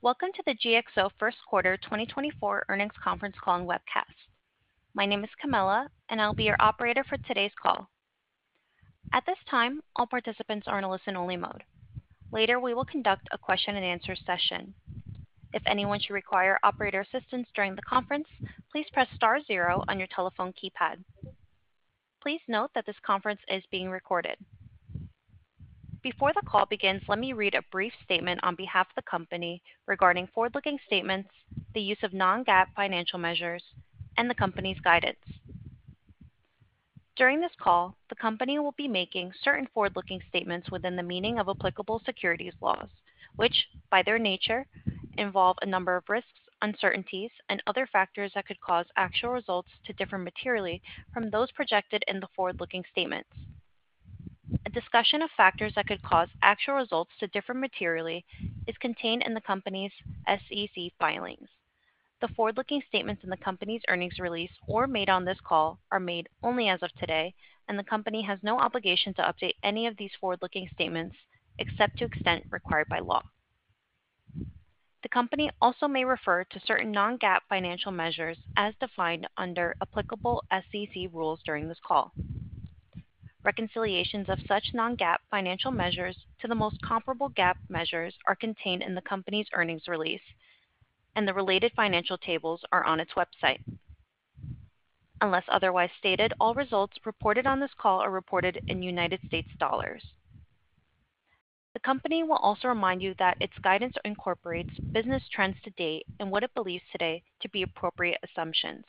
Welcome to the GXO First Quarter 2024 Earnings Conference Call and Webcast. My name is Camilla, and I'll be your operator for today's call. At this time, all participants are in a listen-only mode. Later, we will conduct a question-and-answer session. If anyone should require operator assistance during the conference, please press star zero on your telephone keypad. Please note that this conference is being recorded. Before the call begins, let me read a brief statement on behalf of the company regarding forward-looking statements, the use of non-GAAP financial measures, and the company's guidance. During this call, the company will be making certain forward-looking statements within the meaning of applicable securities laws, which, by their nature, involve a number of risks, uncertainties, and other factors that could cause actual results to differ materially from those projected in the forward-looking statements. A discussion of factors that could cause actual results to differ materially is contained in the company's SEC filings. The forward-looking statements in the company's earnings release or made on this call are made only as of today, and the company has no obligation to update any of these forward-looking statements except to the extent required by law. The company also may refer to certain non-GAAP financial measures as defined under applicable SEC rules during this call. Reconciliations of such non-GAAP financial measures to the most comparable GAAP measures are contained in the company's earnings release, and the related financial tables are on its website. Unless otherwise stated, all results reported on this call are reported in United States dollars. The company will also remind you that its guidance incorporates business trends to date and what it believes today to be appropriate assumptions.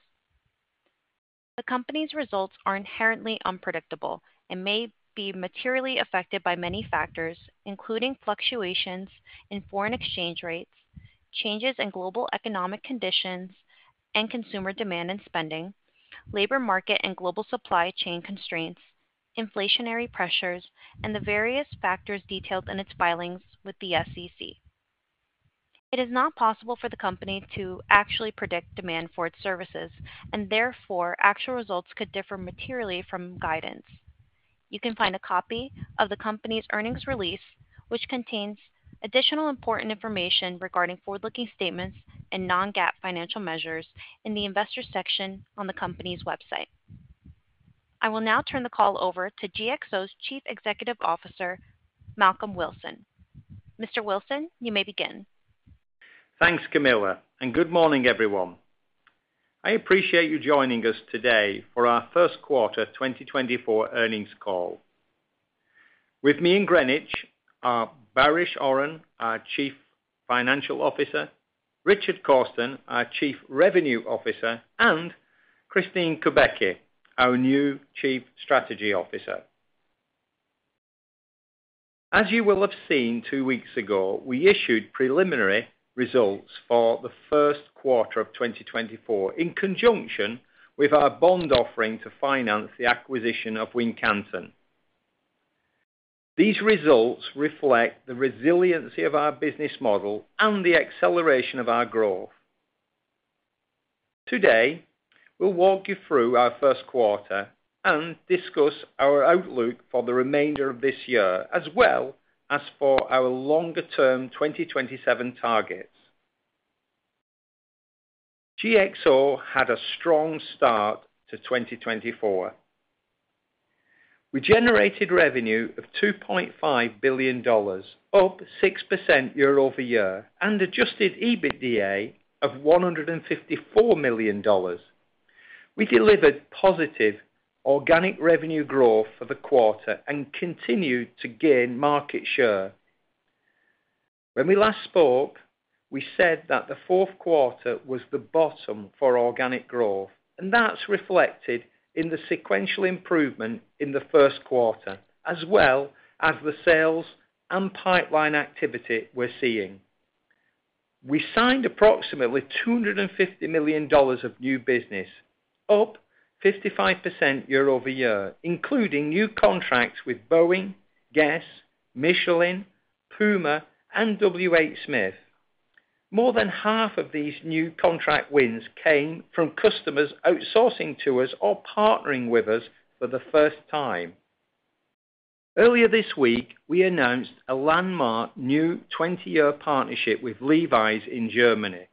The company's results are inherently unpredictable and may be materially affected by many factors, including fluctuations in foreign exchange rates, changes in global economic conditions and consumer demand and spending, labor market and global supply chain constraints, inflationary pressures, and the various factors detailed in its filings with the SEC. It is not possible for the company to actually predict demand for its services, and therefore, actual results could differ materially from guidance. You can find a copy of the company's earnings release, which contains additional important information regarding forward-looking statements and non-GAAP financial measures, in the Investors section on the company's website. I will now turn the call over to GXO's Chief Executive Officer, Malcolm Wilson. Mr. Wilson, you may begin. Thanks, Camilla, and good morning, everyone. I appreciate you joining us today for our first quarter 2024 earnings call. With me in Greenwich are Baris Oran, our Chief Financial Officer, Richard Cawston, our Chief Revenue Officer, and Kristine Kubacki, our new Chief Strategy Officer. As you will have seen two weeks ago, we issued preliminary results for the first quarter of 2024, in conjunction with our bond offering to finance the acquisition of Wincanton. These results reflect the resiliency of our business model and the acceleration of our growth. Today, we'll walk you through our first quarter and discuss our outlook for the remainder of this year, as well as for our longer-term 2027 targets. GXO had a strong start to 2024. We generated revenue of $2.5 billion, up 6% year-over-year, and adjusted EBITDA of $154 million. We delivered positive organic revenue growth for the quarter and continued to gain market share. When we last spoke, we said that the fourth quarter was the bottom for organic growth, and that's reflected in the sequential improvement in the first quarter, as well as the sales and pipeline activity we're seeing. We signed approximately $250 million of new business, up 55% year-over-year, including new contracts with Boeing, Guess, Michelin, PUMA, and WHSmith. More than half of these new contract wins came from customers outsourcing to us or partnering with us for the first time. Earlier this week, we announced a landmark new 20-year partnership with Levi's in Germany,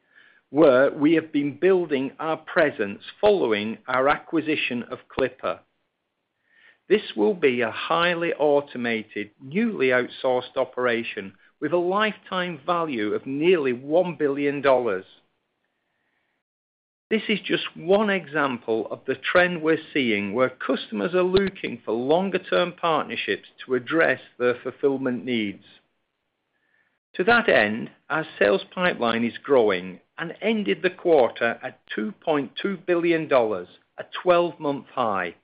where we have been building our presence following our acquisition of Clipper. This will be a highly automated, newly outsourced operation with a lifetime value of nearly $1 billion. This is just one example of the trend we're seeing, where customers are looking for longer-term partnerships to address their fulfillment needs. To that end, our sales pipeline is growing and ended the quarter at $2.2 billion, a 12-month high.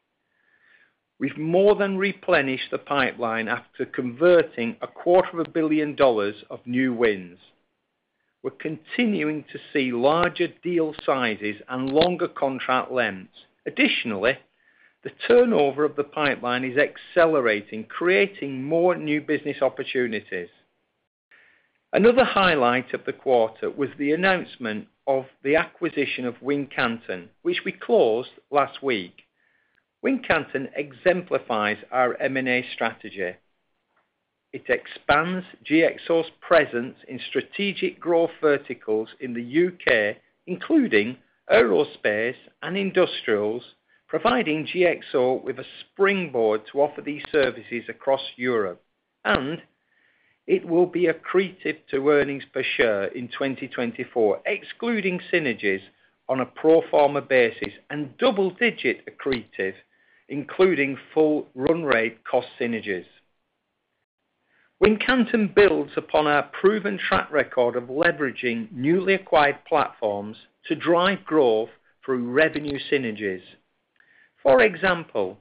We've more than replenished the pipeline after converting a quarter of a billion dollars of new wins. We're continuing to see larger deal sizes and longer contract lengths. Additionally, the turnover of the pipeline is accelerating, creating more new business opportunities. Another highlight of the quarter was the announcement of the acquisition of Wincanton, which we closed last week. Wincanton exemplifies our M&A strategy. It expands GXO's presence in strategic growth verticals in the UK, including aerospace and industrials, providing GXO with a springboard to offer these services across Europe, and it will be accretive to earnings per share in 2024, excluding synergies on a pro forma basis, and double-digit accretive, including full run rate cost synergies. Wincanton builds upon our proven track record of leveraging newly acquired platforms to drive growth through revenue synergies. For example,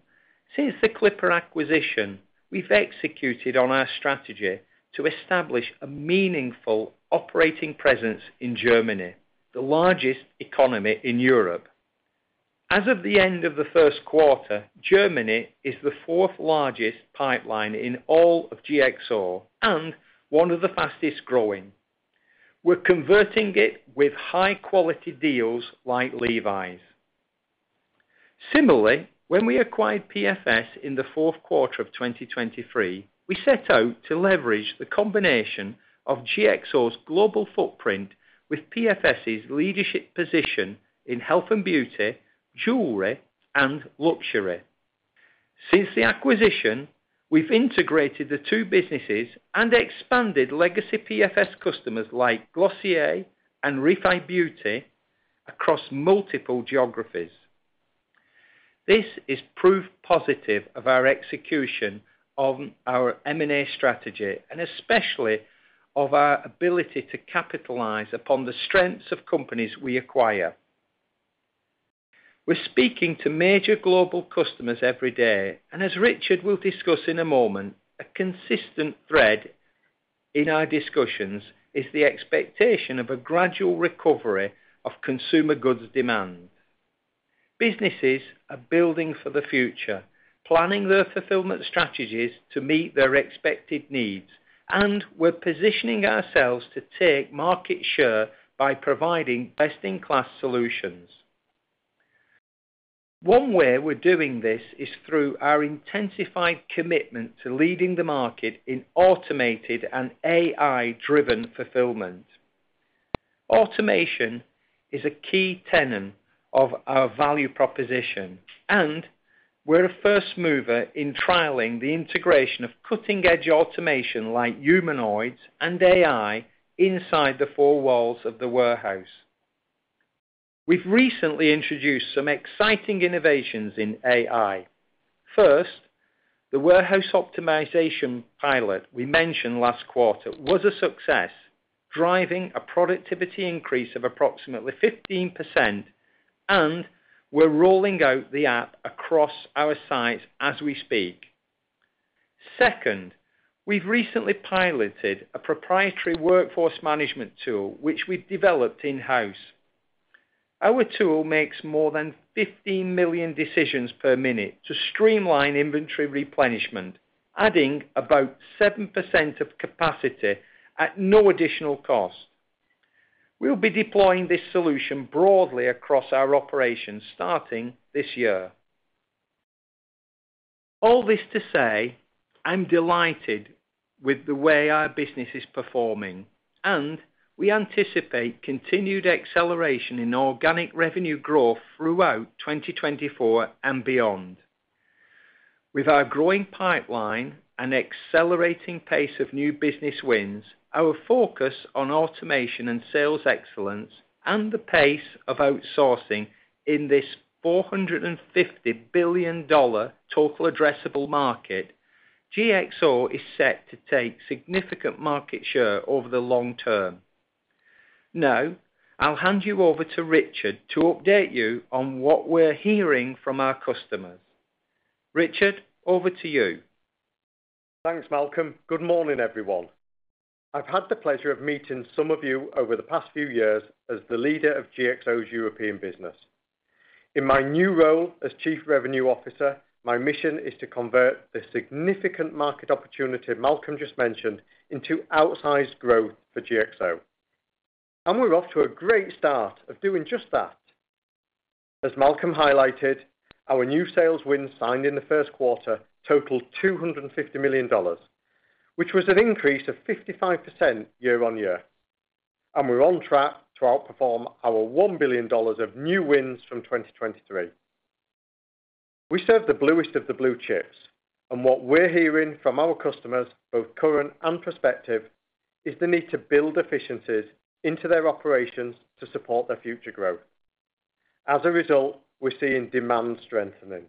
since the Clipper acquisition, we've executed on our strategy to establish a meaningful operating presence in Germany, the largest economy in Europe. As of the end of the first quarter, Germany is the fourth largest pipeline in all of GXO and one of the fastest-growing. We're converting it with high-quality deals like Levi's. Similarly, when we acquired PFS in the fourth quarter of 2023, we set out to leverage the combination of GXO's global footprint with PFS's leadership position in health and beauty, jewelry, and luxury. Since the acquisition, we've integrated the two businesses and expanded legacy PFS customers, like Glossier and Rare Beauty, across multiple geographies. This is proof positive of our execution on our M&A strategy, and especially of our ability to capitalize upon the strengths of companies we acquire. We're speaking to major global customers every day, and as Richard will discuss in a moment, a consistent thread in our discussions is the expectation of a gradual recovery of consumer goods demand. Businesses are building for the future, planning their fulfillment strategies to meet their expected needs, and we're positioning ourselves to take market share by providing best-in-class solutions. One way we're doing this is through our intensified commitment to leading the market in automated and AI-driven fulfillment. Automation is a key tenet of our value proposition, and we're a first mover in trialing the integration of cutting-edge automation like humanoids and AI inside the four walls of the warehouse. We've recently introduced some exciting innovations in AI. First, the warehouse optimization pilot we mentioned last quarter was a success, driving a productivity increase of approximately 15%, and we're rolling out the app across our sites as we speak. Second, we've recently piloted a proprietary workforce management tool, which we've developed in-house. Our tool makes more than 15 million decisions per minute to streamline inventory replenishment, adding about 7% of capacity at no additional cost. We'll be deploying this solution broadly across our operations starting this year. All this to say, I'm delighted with the way our business is performing, and we anticipate continued acceleration in organic revenue growth throughout 2024 and beyond. With our growing pipeline and accelerating pace of new business wins, our focus on automation and sales excellence, and the pace of outsourcing in this $450 billion total addressable market, GXO is set to take significant market share over the long term. Now, I'll hand you over to Richard to update you on what we're hearing from our customers. Richard, over to you. Thanks, Malcolm. Good morning, everyone. I've had the pleasure of meeting some of you over the past few years as the leader of GXO's European business. In my new role as Chief Revenue Officer, my mission is to convert the significant market opportunity Malcolm just mentioned into outsized growth for GXO, and we're off to a great start of doing just that. As Malcolm highlighted, our new sales wins signed in the first quarter totaled $250 million, which was an increase of 55% year-over-year, and we're on track to outperform our $1 billion of new wins from 2023. We serve the bluest of the blue chips, and what we're hearing from our customers, both current and prospective, is the need to build efficiencies into their operations to support their future growth. As a result, we're seeing demand strengthening.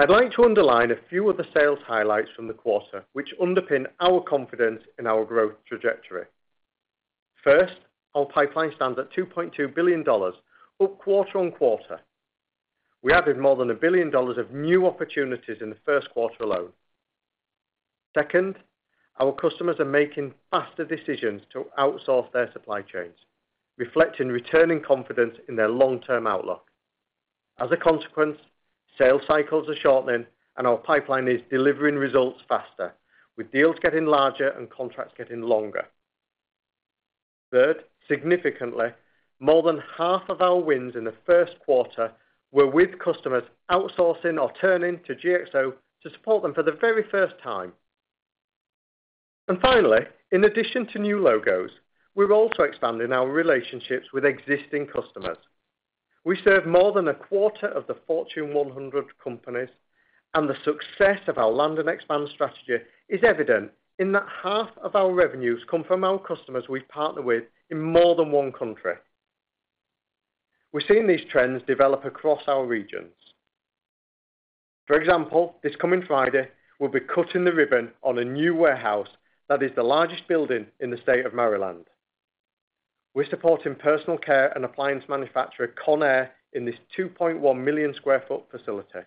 I'd like to underline a few of the sales highlights from the quarter, which underpin our confidence in our growth trajectory. First, our pipeline stands at $2.2 billion, up quarter-on-quarter. We added more than $1 billion of new opportunities in the first quarter alone. Second, our customers are making faster decisions to outsource their supply chains, reflecting returning confidence in their long-term outlook. As a consequence, sales cycles are shortening, and our pipeline is delivering results faster, with deals getting larger and contracts getting longer. Third, significantly, more than half of our wins in the first quarter were with customers outsourcing or turning to GXO to support them for the very first time. And finally, in addition to new logos, we're also expanding our relationships with existing customers. We serve more than a quarter of the Fortune 100 companies, and the success of our land and expand strategy is evident in that half of our revenues come from our customers we partner with in more than one country. We're seeing these trends develop across our regions. For example, this coming Friday, we'll be cutting the ribbon on a new warehouse that is the largest building in the state of Maryland. We're supporting personal care and appliance manufacturer Conair, in this 2.1 million sq ft facility.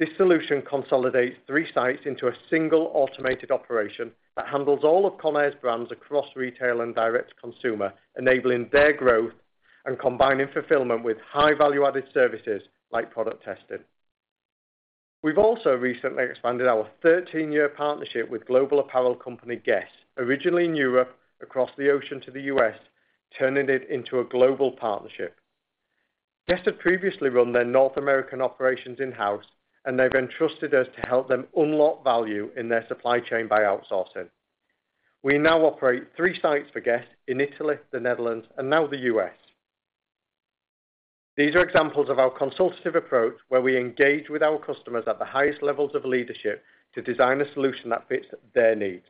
This solution consolidates three sites into a single automated operation that handles all of Conair's brands across retail and direct consumer, enabling their growth and combining fulfillment with high value-added services, like product testing. We've also recently expanded our 13-year partnership with global apparel company, Guess, originally in Europe, across the ocean to the US, turning it into a global partnership. Guess had previously run their North American operations in-house, and they've entrusted us to help them unlock value in their supply chain by outsourcing. We now operate 3 sites for Guess in Italy, the Netherlands, and now the US. These are examples of our consultative approach, where we engage with our customers at the highest levels of leadership to design a solution that fits their needs.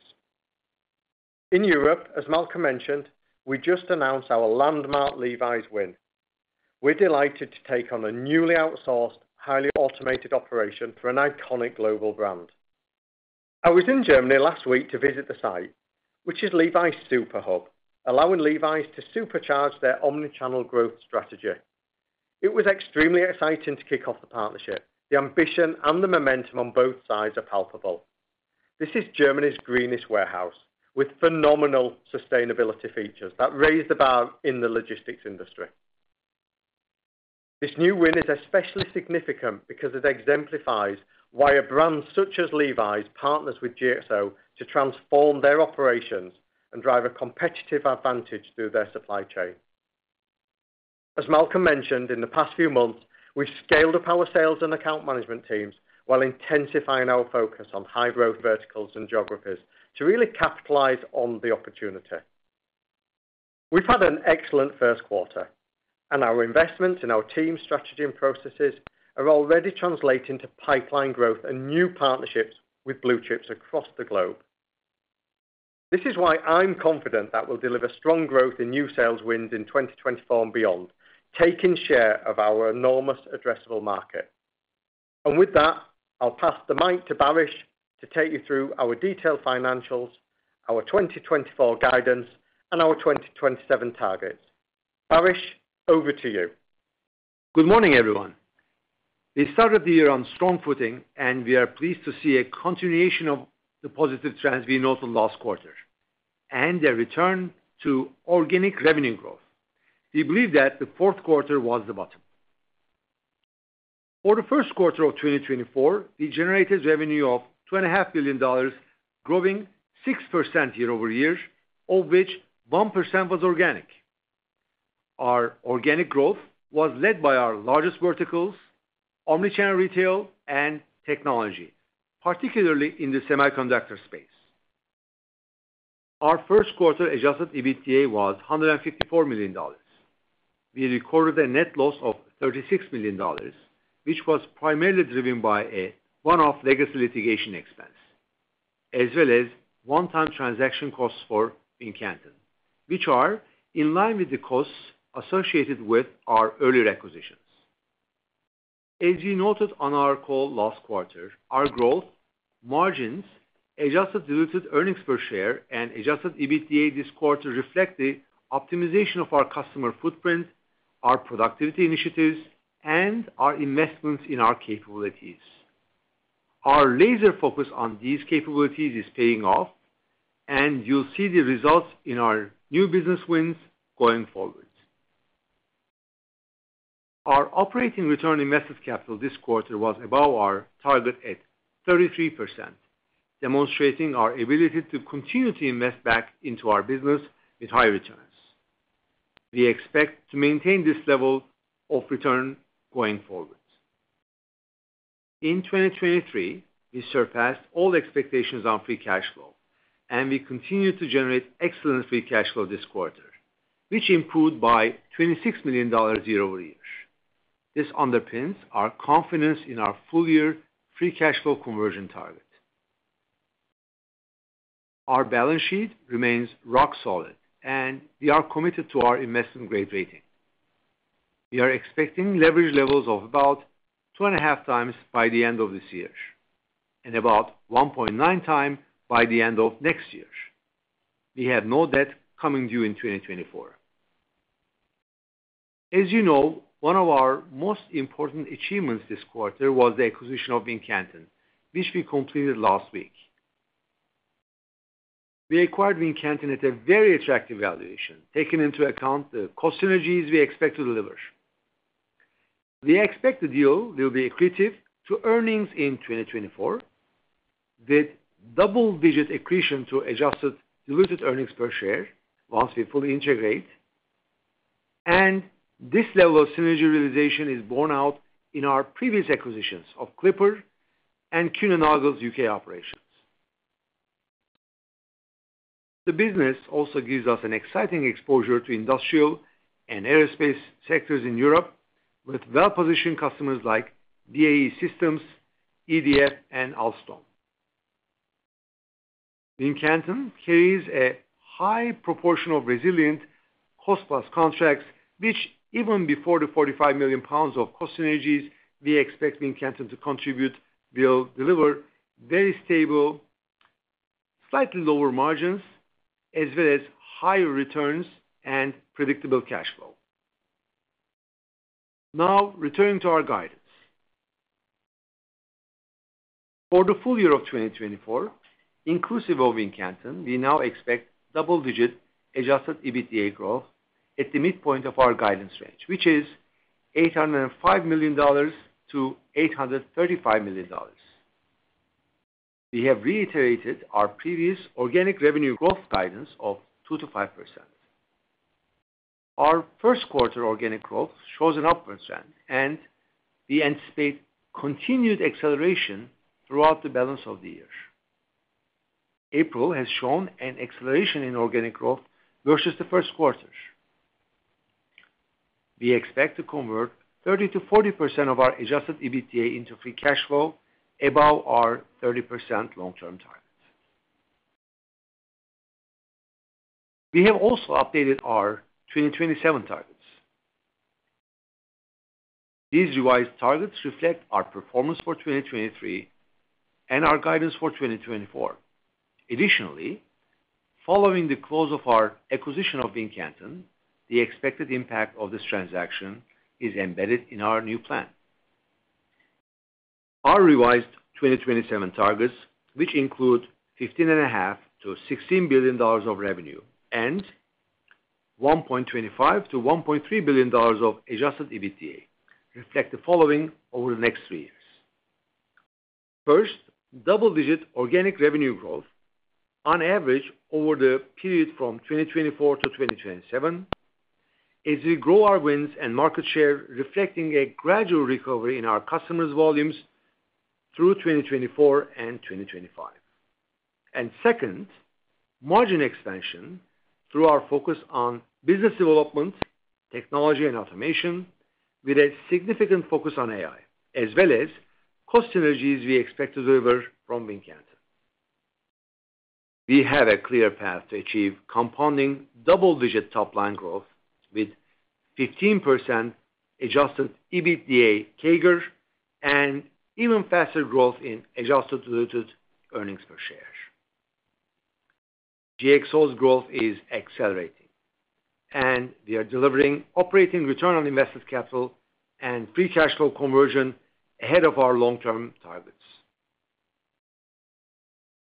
In Europe, as Malcolm mentioned, we just announced our landmark Levi's win. We're delighted to take on a newly outsourced, highly automated operation for an iconic global brand. I was in Germany last week to visit the site, which is Levi's super hub, allowing Levi's to supercharge their omni-channel growth strategy. It was extremely exciting to kick off the partnership. The ambition and the momentum on both sides are palpable. This is Germany's greenest warehouse, with phenomenal sustainability features that raise the bar in the logistics industry. This new win is especially significant because it exemplifies why a brand such as Levi's partners with GXO to transform their operations and drive a competitive advantage through their supply chain. As Malcolm mentioned, in the past few months, we've scaled up our sales and account management teams, while intensifying our focus on high-growth verticals and geographies to really capitalize on the opportunity. We've had an excellent first quarter, and our investments in our team, strategy, and processes are already translating to pipeline growth and new partnerships with blue chips across the globe. This is why I'm confident that we'll deliver strong growth in new sales wins in 2024 and beyond, taking share of our enormous addressable market. And with that, I'll pass the mic to Baris to take you through our detailed financials, our 2024 guidance, and our 2027 targets. Baris, over to you. Good morning, everyone. We started the year on strong footing, and we are pleased to see a continuation of the positive trends we noted last quarter, and a return to organic revenue growth. We believe that the fourth quarter was the bottom. For the first quarter of 2024, we generated revenue of $2.5 billion, growing 6% year-over-year, of which 1% was organic. Our organic growth was led by our largest verticals, omni-channel retail and technology, particularly in the semiconductor space. Our first quarter adjusted EBITDA was $154 million. We recorded a net loss of $36 million, which was primarily driven by a one-off legacy litigation expense, as well as one-time transaction costs for Wincanton, which are in line with the costs associated with our earlier acquisitions. As we noted on our call last quarter, our growth, margins, Adjusted diluted earnings per share, and Adjusted EBITDA this quarter reflect the optimization of our customer footprint, our productivity initiatives, and our investments in our capabilities. Our laser focus on these capabilities is paying off, and you'll see the results in our new business wins going forward. Our operating return on invested capital this quarter was above our target at 33%, demonstrating our ability to continue to invest back into our business with high returns. We expect to maintain this level of return going forward. In 2023, we surpassed all expectations on free cash flow, and we continued to generate excellent free cash flow this quarter, which improved by $26 million year-over-year. This underpins our confidence in our full year free cash flow conversion target. Our balance sheet remains rock solid, and we are committed to our investment-grade rating. We are expecting leverage levels of about 2.5 times by the end of this year, and about 1.9 times by the end of next year. We have no debt coming due in 2024. As you know, one of our most important achievements this quarter was the acquisition of Wincanton, which we completed last week. We acquired Wincanton at a very attractive valuation, taking into account the cost synergies we expect to deliver. We expect the deal will be accretive to earnings in 2024, with double-digit accretion to adjusted diluted earnings per share once we fully integrate. And this level of synergy realization is borne out in our previous acquisitions of Clipper and Kuehne+Nagel's UK operations. The business also gives us an exciting exposure to industrial and aerospace sectors in Europe, with well-positioned customers like BAE Systems, EDF, and Alstom. Wincanton carries a high proportion of resilient cost-plus contracts, which even before the 45 million pounds of cost synergies, we expect Wincanton to contribute, will deliver very stable, slightly lower margins, as well as higher returns and predictable cash flow. Now, returning to our guidance. For the full year of 2024, inclusive of Wincanton, we now expect double-digit adjusted EBITDA growth at the midpoint of our guidance range, which is $805 million-$835 million. We have reiterated our previous organic revenue growth guidance of 2%-5%. Our first quarter organic growth shows an upward trend, and we anticipate continued acceleration throughout the balance of the year. April has shown an acceleration in organic growth versus the first quarter. We expect to convert 30%-40% of our Adjusted EBITDA into free cash flow, above our 30% long-term target. We have also updated our 2027 targets. These revised targets reflect our performance for 2023 and our guidance for 2024. Additionally, following the close of our acquisition of Wincanton, the expected impact of this transaction is embedded in our new plan. Our revised 2027 targets, which include $15.5 billion-$16 billion of revenue, and $1.25 billion-$1.3 billion of Adjusted EBITDA, reflect the following over the next three years. First, double-digit organic revenue growth on average over the period from 2024 to 2027, as we grow our wins and market share, reflecting a gradual recovery in our customers' volumes through 2024 and 2025. Second, margin expansion through our focus on business development, technology and automation, with a significant focus on AI, as well as cost synergies we expect to deliver from Wincanton. We have a clear path to achieve compounding double-digit top-line growth with 15% Adjusted EBITDA CAGR and even faster growth in Adjusted diluted earnings per share. GXO's growth is accelerating, and we are delivering operating return on invested capital and free cash flow conversion ahead of our long-term targets.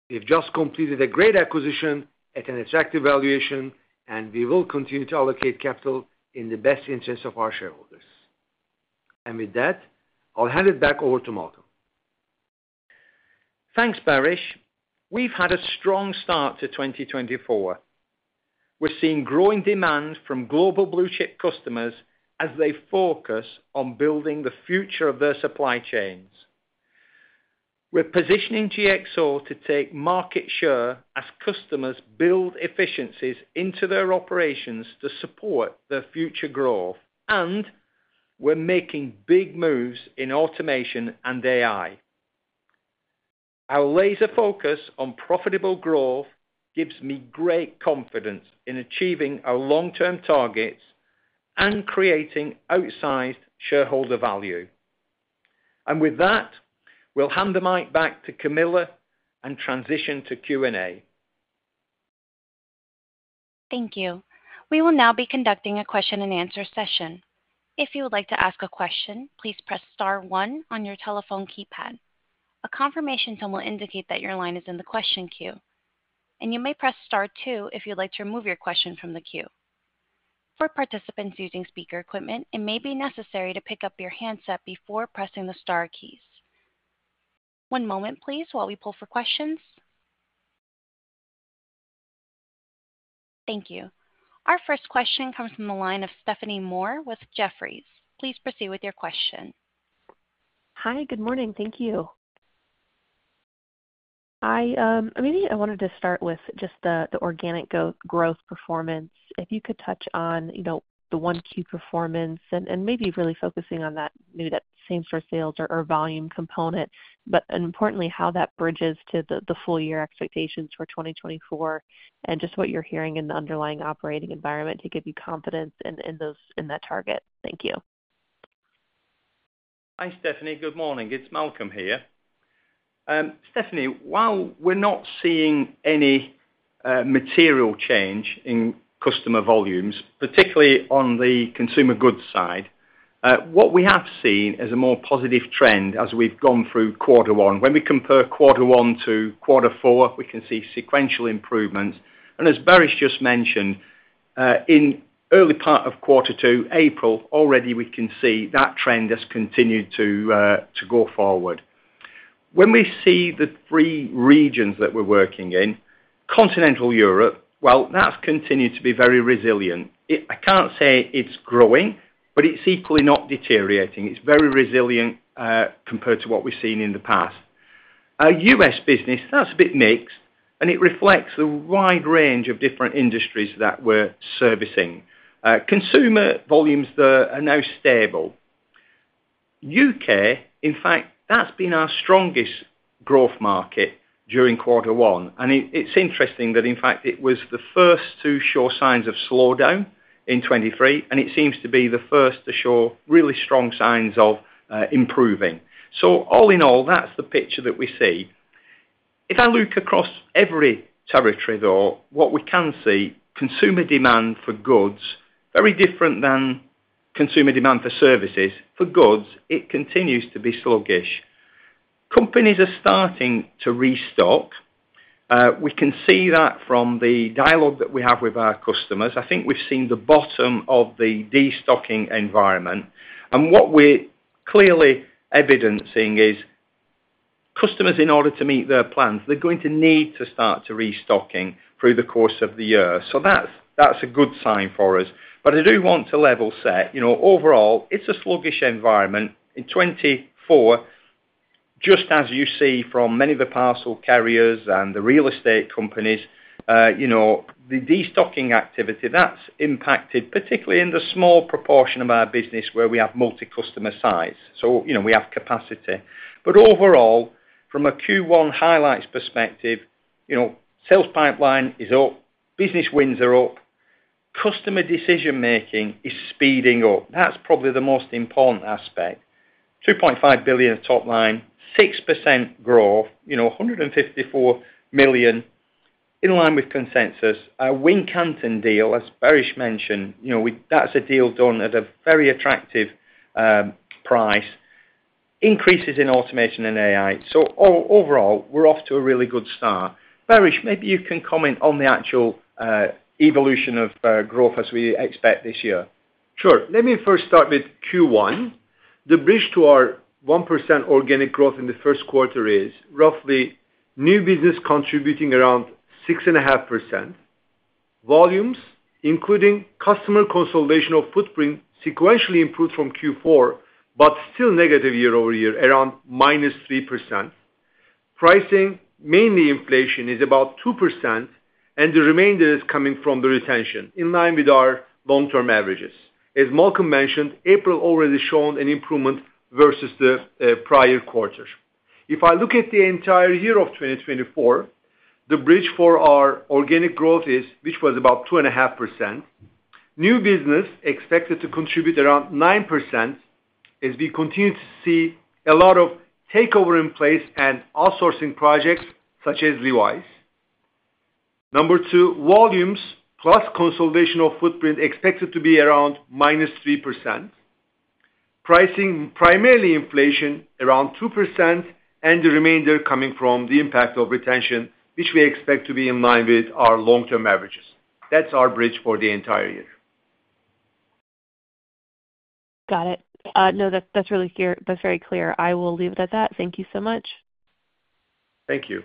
We've just completed a great acquisition at an attractive valuation, and we will continue to allocate capital in the best interest of our shareholders. With that, I'll hand it back over to Malcolm. Thanks, Baris. We've had a strong start to 2024. We're seeing growing demand from global blue-chip customers as they focus on building the future of their supply chains. We're positioning GXO to take market share as customers build efficiencies into their operations to support their future growth, and we're making big moves in automation and AI. Our laser focus on profitable growth gives me great confidence in achieving our long-term targets and creating outsized shareholder value. With that, we'll hand the mic back to Camilla and transition to Q&A. Thank you. We will now be conducting a question-and-answer session. If you would like to ask a question, please press star one on your telephone keypad. A confirmation tone will indicate that your line is in the question queue, and you may press star two if you'd like to remove your question from the queue. For participants using speaker equipment, it may be necessary to pick up your handset before pressing the star keys. One moment, please, while we pull for questions. Thank you. Our first question comes from the line of Stephanie Moore with Jefferies. Please proceed with your question. Hi, good morning. Thank you. I maybe wanted to start with just the organic growth performance. If you could touch on, you know, the 1Q performance and maybe really focusing on that, maybe that same-store sales or volume component, but importantly, how that bridges to the full-year expectations for 2024, and just what you're hearing in the underlying operating environment to give you confidence in those, in that target. Thank you. Hi, Stephanie. Good morning. It's Malcolm here. Stephanie, while we're not seeing any material change in customer volumes, particularly on the consumer goods side, what we have seen is a more positive trend as we've gone through quarter one. When we compare quarter one to quarter four, we can see sequential improvements, and as Baris just mentioned in early part of quarter two, April, already we can see that trend has continued to to go forward. When we see the three regions that we're working in, continental Europe, well, that's continued to be very resilient. I can't say it's growing, but it's equally not deteriorating. It's very resilient, compared to what we've seen in the past. Our US business, that's a bit mixed, and it reflects the wide range of different industries that we're servicing. Consumer volumes there are now stable. UK, in fact, that's been our strongest growth market during quarter one, and it, it's interesting that, in fact, it was the first to show signs of slowdown in 2023, and it seems to be the first to show really strong signs of improving. So all in all, that's the picture that we see. If I look across every territory, though, what we can see, consumer demand for goods, very different than consumer demand for services. For goods, it continues to be sluggish. Companies are starting to restock. We can see that from the dialogue that we have with our customers. I think we've seen the bottom of the destocking environment, and what we're clearly evidencing is customers, in order to meet their plans, they're going to need to start to restocking through the course of the year. So that's a good sign for us. But I do want to level set. You know, overall, it's a sluggish environment. In 2024, just as you see from many of the parcel carriers and the real estate companies, you know, the destocking activity, that's impacted, particularly in the small proportion of our business where we have multi-customer size. So, you know, we have capacity. But overall, from a Q1 highlights perspective, you know, sales pipeline is up, business wins are up, customer decision-making is speeding up. That's probably the most important aspect. $2.5 billion top line, 6% growth, you know, $154 million in line with consensus. Our Wincanton deal, as Baris mentioned, you know, we, that's a deal done at a very attractive, price. Increases in automation and AI. So overall, we're off to a really good start. Baris, maybe you can comment on the actual evolution of growth as we expect this year. Sure. Let me first start with Q1. The bridge to our 1% organic growth in the first quarter is roughly new business contributing around 6.5%. Volumes, including customer consolidation of footprint, sequentially improved from Q4, but still negative year over year, around -3%. Pricing, mainly inflation, is about 2%, and the remainder is coming from the retention, in line with our long-term averages. As Malcolm mentioned, April already shown an improvement versus the prior quarter. If I look at the entire year of 2024, the bridge for our organic growth is, which was about 2.5%, new business expected to contribute around 9%, as we continue to see a lot of takeover in place and outsourcing projects such as Levi's. Number two, volumes plus consolidation of footprint expected to be around -3%. Pricing, primarily inflation, around 2%, and the remainder coming from the impact of retention, which we expect to be in line with our long-term averages. That's our bridge for the entire year. Got it. No, that's, that's really clear, that's very clear. I will leave it at that. Thank you so much. Thank you.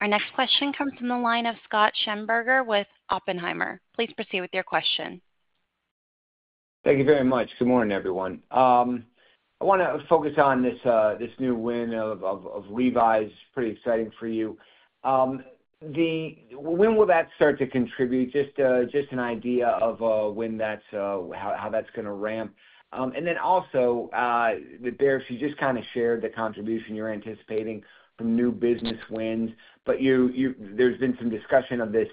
Our next question comes from the line of Scott Schneeberger with Oppenheimer. Please proceed with your question. Thank you very much. Good morning, everyone. I wanna focus on this new win of Levi's. Pretty exciting for you. When will that start to contribute? Just an idea of when that's how that's gonna ramp. And then also, with Baris, you just kinda shared the contribution you're anticipating from new business wins, but there's been some discussion of this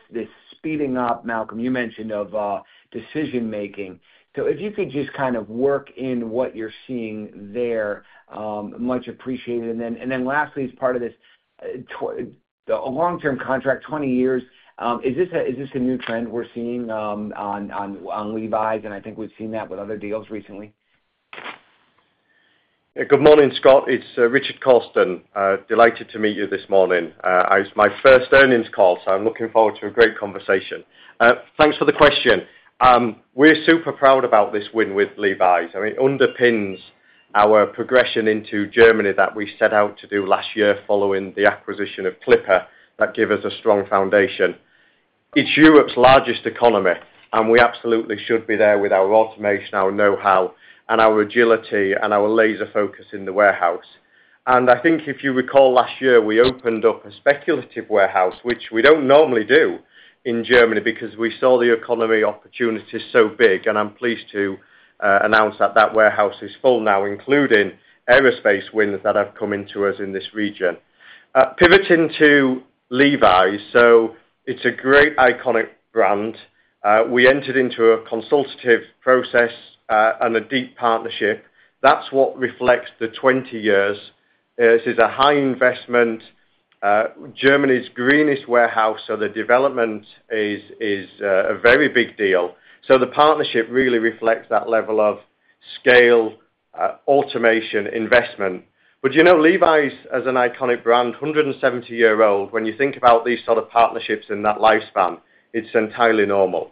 speeding up, Malcolm, you mentioned, of decision making. So if you could just kind of work in what you're seeing there, much appreciated. And then lastly, as part of this, a long-term contract, 20 years, is this a new trend we're seeing on Levi's? And I think we've seen that with other deals recently. Good morning, Scott. It's Richard Cawston. Delighted to meet you this morning. It's my first earnings call, so I'm looking forward to a great conversation. Thanks for the question. We're super proud about this win with Levi's, and it underpins our progression into Germany that we set out to do last year following the acquisition of Clipper, that give us a strong foundation. It's Europe's largest economy, and we absolutely should be there with our automation, our know-how, and our agility, and our laser focus in the warehouse. And I think if you recall, last year, we opened up a speculative warehouse, which we don't normally do in Germany, because we saw the economy opportunity so big, and I'm pleased to announce that that warehouse is full now, including aerospace wins that have come into us in this region. Pivoting to Levi's, so it's a great iconic brand. We entered into a consultative process and a deep partnership. That's what reflects the 20 years. This is a high investment, Germany's greenest warehouse, so the development is a very big deal. So the partnership really reflects that level of scale, automation, investment. But, you know, Levi's, as an iconic brand, 170-year-old, when you think about these sort of partnerships in that lifespan, it's entirely normal.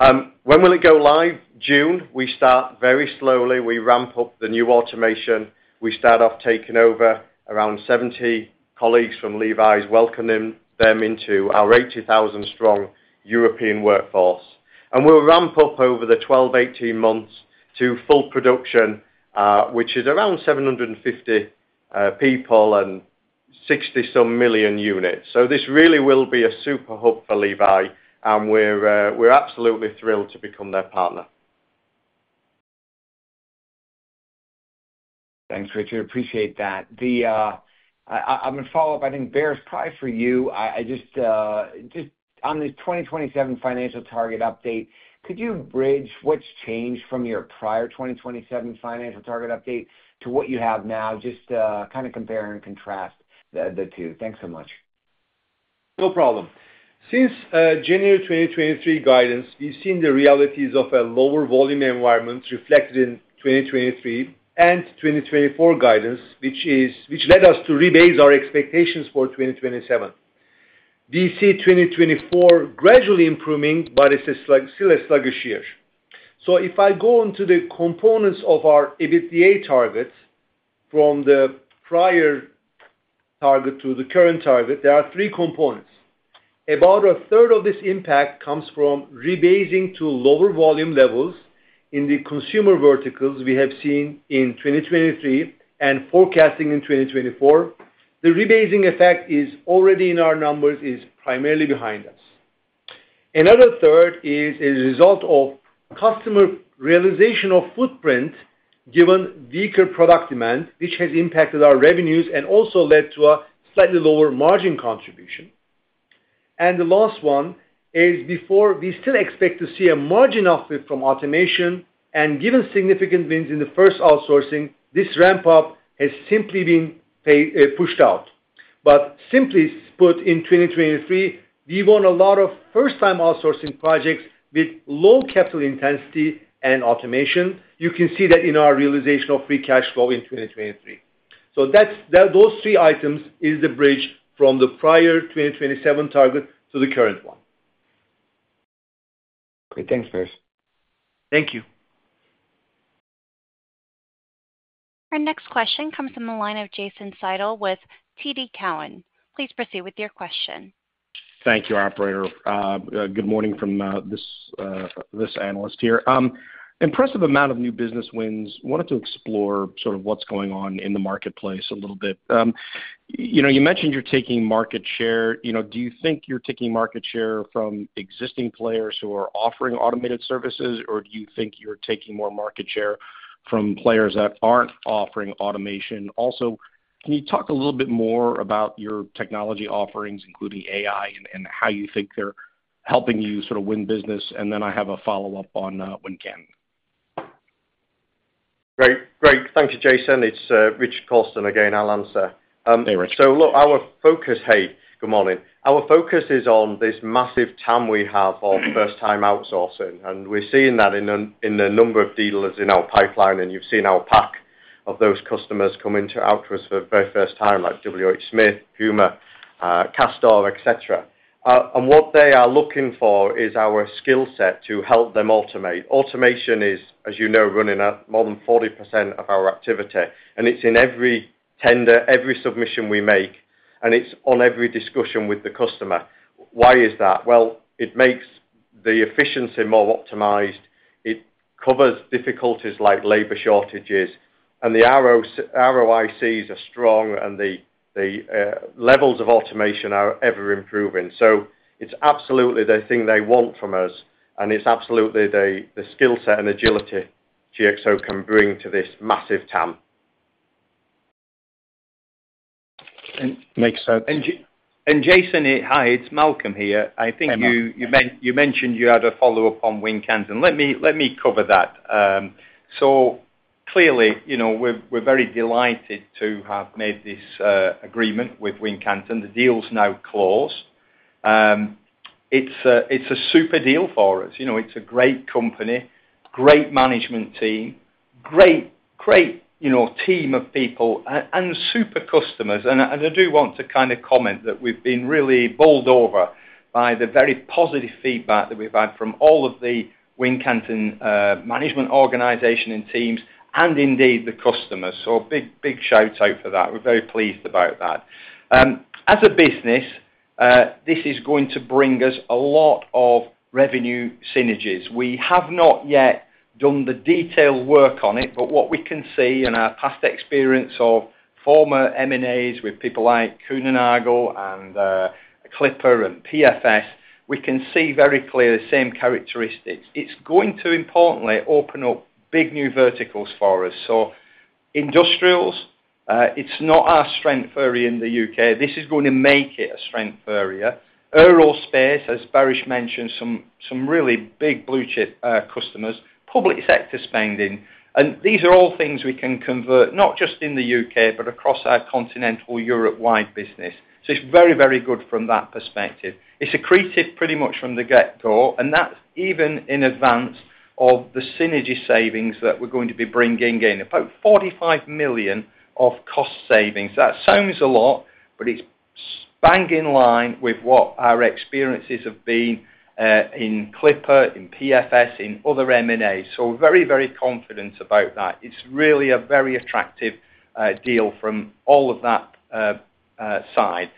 When will it go live? June, we start very slowly. We ramp up the new automation. We start off taking over around 70 colleagues from Levi's, welcoming them into our 80,000-strong European workforce. And we'll ramp up over the 12-18 months to full production, which is around 750 people and 60-some million units. So this really will be a super hub for Levi, and we're absolutely thrilled to become their partner. Thanks, Richard. Appreciate that. I'm gonna follow up, I think, Baris, probably for you. I just on this 2027 financial target update, could you bridge what's changed from your prior 2027 financial target update to what you have now? Just kind of compare and contrast the two. Thanks so much. No problem. Since January 2023 guidance, we've seen the realities of a lower volume environment reflected in 2023 and 2024 guidance, which led us to rebase our expectations for 2027. We see 2024 gradually improving, but it's still a sluggish year. So if I go into the components of our EBITDA targets from the prior target to the current target, there are three components. About a third of this impact comes from rebasing to lower volume levels in the consumer verticals we have seen in 2023 and forecasting in 2024. The rebasing effect is already in our numbers, is primarily behind us. Another third is a result of customer realization of footprint, given weaker product demand, which has impacted our revenues and also led to a slightly lower margin contribution. The last one is, we still expect to see a margin uplift from automation, and given significant wins in the first outsourcing, this ramp up has simply been pushed out. Simply put, in 2023, we won a lot of first-time outsourcing projects with low capital intensity and automation. You can see that in our realization of free cash flow in 2023. That's those three items is the bridge from the prior 2027 target to the current one. Great. Thanks, Baris. Thank you. Our next question comes from the line of Jason Seidl with TD Cowen. Please proceed with your question. Thank you, operator. Good morning from this analyst here. Impressive amount of new business wins. Wanted to explore sort of what's going on in the marketplace a little bit. You know, you mentioned you're taking market share. You know, do you think you're taking market share from existing players who are offering automated services? Or do you think you're taking more market share from players that aren't offering automation? Also, can you talk a little bit more about your technology offerings, including AI, and how you think they're helping you sort of win business? And then I have a follow-up on Wincanton. Great. Great. Thank you, Jason. It's Richard Cawston again. I'll answer. Hey, Richard. So look, our focus. Hey, good morning. Our focus is on this massive TAM we have for first-time outsourcing, and we're seeing that in the number of deals in our pipeline, and you've seen our pace of those customers come in to outsource to us for the very first time, like WHSmith, PUMA, Castore, etc. And what they are looking for is our skill set to help them automate. Automation is, as you know, running at more than 40% of our activity, and it's in every tender, every submission we make, and it's on every discussion with the customer. Why is that? Well, it makes the efficiency more optimized. It covers difficulties like labor shortages, and the ROICs are strong and the levels of automation are ever improving. So it's absolutely the thing they want from us, and it's absolutely the skill set and agility GXO can bring to this massive TAM. Makes sense. Jason, hi, it's Malcolm here. Hey, Malcolm. I think you mentioned you had a follow-up on Wincanton. Let me cover that. So clearly, you know, we're very delighted to have made this agreement with Wincanton. The deal is now closed. It's a super deal for us. You know, it's a great company, great management team, great team of people and super customers. And I do want to comment that we've been really bowled over by the very positive feedback that we've had from all of the Wincanton management organization and teams and indeed, the customers. So big shout out for that. We're very pleased about that. As a business, this is going to bring us a lot of revenue synergies. We have not yet done the detailed work on it, but what we can see in our past experience of former M&As with people like Kuehne+Nagel and Clipper and PFS, we can see very clearly the same characteristics. It's going to importantly open up big new verticals for us. So industrials, it's not our strength very in the UK. This is gonna make it a strength area. Aerospace, as Baris mentioned, some really big blue chip customers, public sector spending. And these are all things we can convert, not just in the UK, but across our continental Europe-wide business. So it's very, very good from that perspective. It's accretive pretty much from the get-go, and that's even in advance of the synergy savings that we're going to be bringing in, about $45 million of cost savings. That sounds a lot, but it's bang in line with what our experiences have been in Clipper, in PFS, in other M&As. So very, very confident about that. It's really a very attractive deal from all of that side.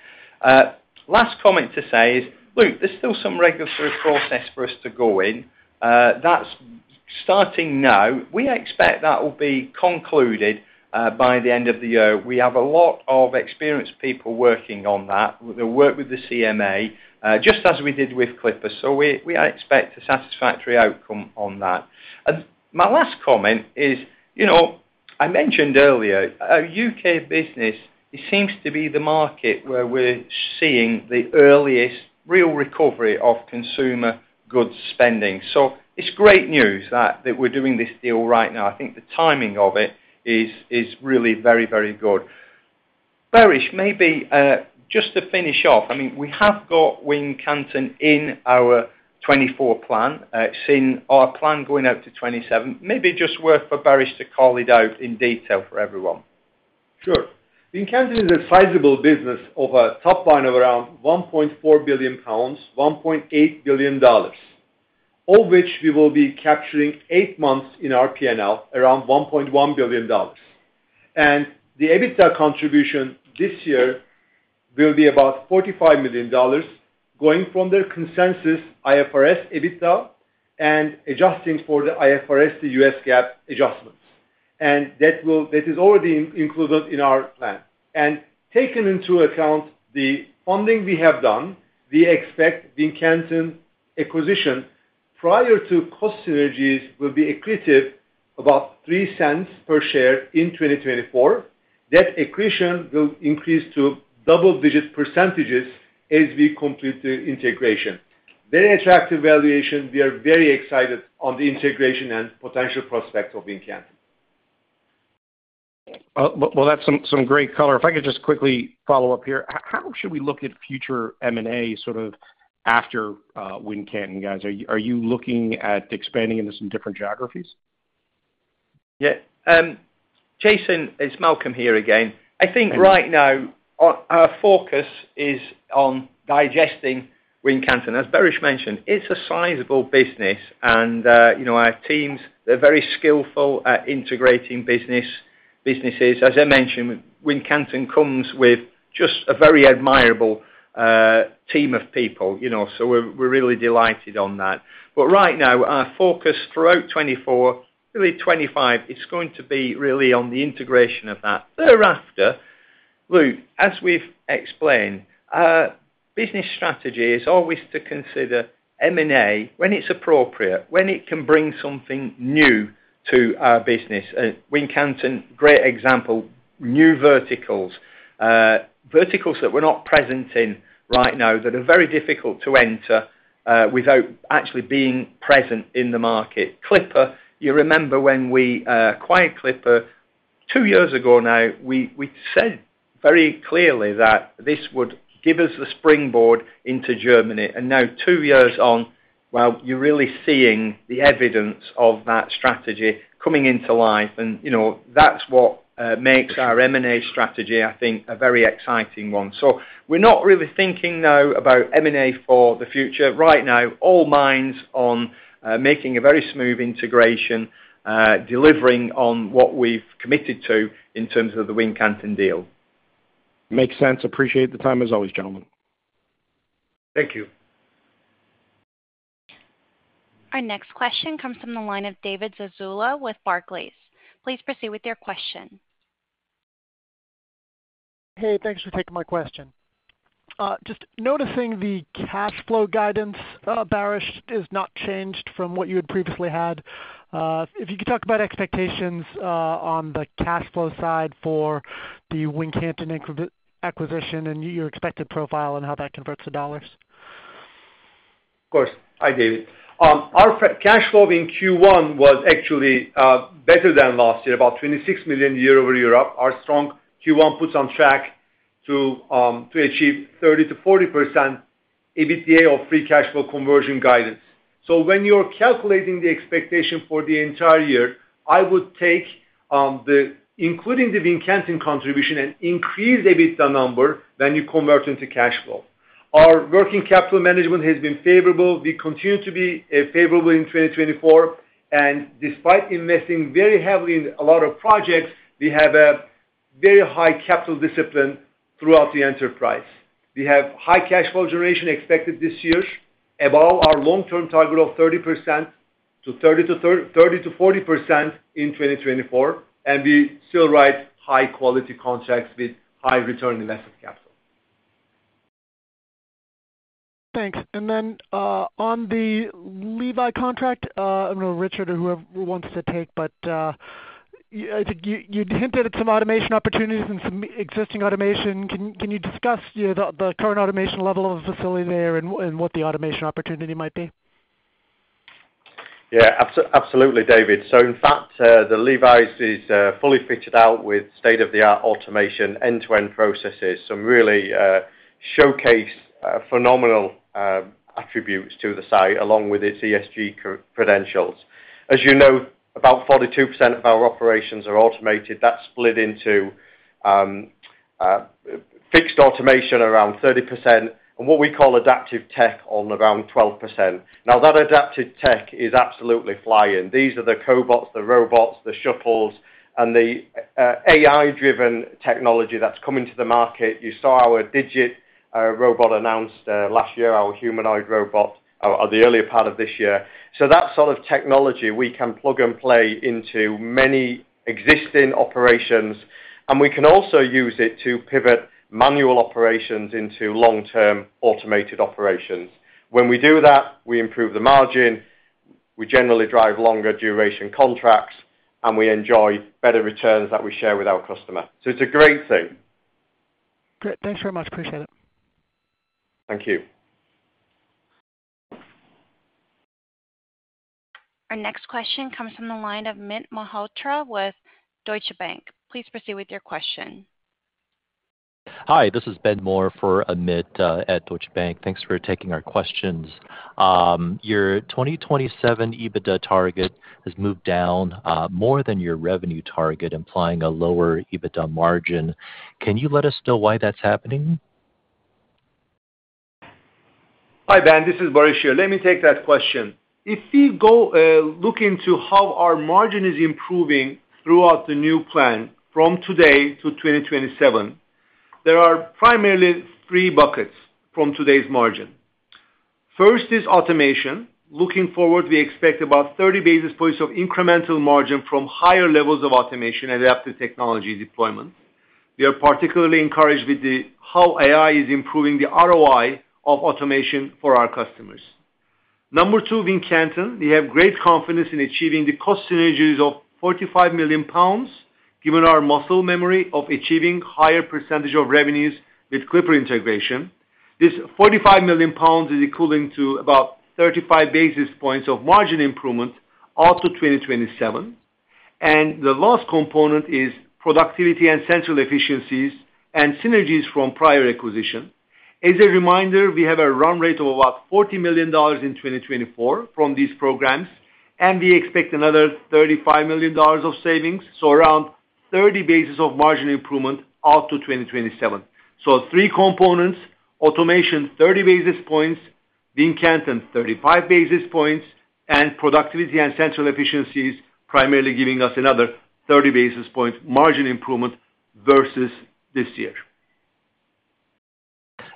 Last comment to say is, look, there's still some regulatory process for us to go in. That's starting now. We expect that will be concluded by the end of the year. We have a lot of experienced people working on that. They work with the CMA just as we did with Clipper, so we expect a satisfactory outcome on that. And my last comment is, you know, I mentioned earlier, our UK business, it seems to be the market where we're seeing the earliest real recovery of consumer goods spending. So it's great news that we're doing this deal right now. I think the timing of it is really very, very good. Baris, maybe, just to finish off, I mean, we have got Wincanton in our 2024 plan, seeing our plan going out to 2027. Maybe just worth for Baris to call it out in detail for everyone. Sure. Wincanton is a sizable business of a top line of around 1.4 billion pounds, $1.8 billion, all which we will be capturing 8 months in our P&L, around $1.1 billion. The EBITDA contribution this year will be about $45 million, going from their consensus IFRS EBITDA, and adjusting for the IFRS to U.S. GAAP adjustments. That is already included in our plan. Taking into account the funding we have done, we expect Wincanton acquisition, prior to cost synergies, will be accretive about $0.03 per share in 2024. That accretion will increase to double-digit percentages as we complete the integration. Very attractive valuation. We are very excited on the integration and potential prospects of Wincanton. Well, that's some great color. If I could just quickly follow up here, how should we look at future M&A, sort of, after Wincanton, guys? Are you looking at expanding into some different geographies? Yeah. Jason, it's Malcolm here again. I think right now, our, our focus is on digesting Wincanton. As Baris mentioned, it's a sizable business, and, you know, our teams, they're very skillful at integrating business, businesses. As I mentioned, Wincanton comes with just a very admirable, team of people, you know, so we're, we're really delighted on that. But right now, our focus throughout 2024, really 2025, it's going to be really on the integration of that. Thereafter, Luke, as we've explained, our business strategy is always to consider M&A when it's appropriate, when it can bring something new to our business. Wincanton, great example, new verticals. Verticals that we're not present in right now, that are very difficult to enter, without actually being present in the market. Clipper, you remember when we acquired Clipper two years ago now, we said very clearly that this would give us the springboard into Germany. And, you know, that's what makes our M&A strategy, I think, a very exciting one. So we're not really thinking now about M&A for the future. Right now, all minds on making a very smooth integration, delivering on what we've committed to in terms of the Wincanton deal. Makes sense. Appreciate the time, as always, gentlemen. Thank you. Our next question comes from the line of David Zazula with Barclays. Please proceed with your question. Hey, thanks for taking my question. Just noticing the cash flow guidance, Baris, has not changed from what you had previously had. If you could talk about expectations on the cash flow side for the Wincanton acquisition and your expected profile, and how that converts to dollars. Of course. Hi, David. Our cash flow in Q1 was actually better than last year, about $26 million year over year up. Our strong Q1 puts us on track to achieve 30%-40% EBITDA of free cash flow conversion guidance. So when you're calculating the expectation for the entire year, I would take the including the Wincanton contribution and increase the EBITDA number, then you convert into cash flow. Our working capital management has been favorable. We continue to be favorable in 2024, and despite investing very heavily in a lot of projects, we have a very high capital discipline throughout the enterprise. We have high cash flow generation expected this year, above our long-term target of 30%-40% in 2024, and we still write high-quality contracts with high return on asset capital. Thanks. And then, on the Levi contract, I don't know, Richard or whoever wants to take, but, you hinted at some automation opportunities and some existing automation. Can you discuss, you know, the current automation level of the facility there and what the automation opportunity might be? Yeah, absolutely, David. So in fact, the Levi's is fully fitted out with state-of-the-art automation, end-to-end processes, some really, Showcase phenomenal attributes to the site, along with its ESG credentials. As you know, about 42% of our operations are automated. That's split into fixed automation around 30%, and what we call adaptive tech on around 12%. Now, that adaptive tech is absolutely flying. These are the cobots, the robots, the shuttles, and the AI-driven technology that's coming to the market. You saw our Digit robot announced last year, our humanoid robot at the earlier part of this year. So that sort of technology, we can plug and play into many existing operations, and we can also use it to pivot manual operations into long-term automated operations. When we do that, we improve the margin, we generally drive longer duration contracts, and we enjoy better returns that we share with our customer. So it's a great thing. Great. Thanks very much. Appreciate it. Thank you. Our next question comes from the line of Amit Mehrotra with Deutsche Bank. Please proceed with your question. Hi, this is Ben Moore for Amit, at Deutsche Bank. Thanks for taking our questions. Your 2027 EBITDA target has moved down, more than your revenue target, implying a lower EBITDA margin. Can you let us know why that's happening? Hi, Ben, this is Baris here. Let me take that question. If we go, look into how our margin is improving throughout the new plan from today to 2027, there are primarily three buckets from today's margin. First is automation. Looking forward, we expect about 30 basis points of incremental margin from higher levels of automation, adaptive technology deployment. We are particularly encouraged with how AI is improving the ROI of automation for our customers. Number two, Wincanton. We have great confidence in achieving the cost synergies of 45 million pounds, given our muscle memory of achieving higher percentage of revenues with Clipper integration. This 45 million pounds is equivalent to about 35 basis points of margin improvement out to 2027. And the last component is productivity and central efficiencies and synergies from prior acquisition. As a reminder, we have a run rate of about $40 million in 2024 from these programs, and we expect another $35 million of savings, so around 30 basis points of margin improvement out to 2027. So three components: automation, 30 basis points; Wincanton, 35 basis points; and productivity and central efficiencies, primarily giving us another 30 basis points margin improvement versus this year.